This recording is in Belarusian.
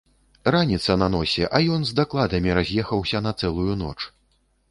Раніца на носе, а ён з дакладамі раз'ехаўся на цэлую ноч.